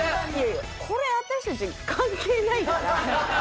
これ私たち関係ないから。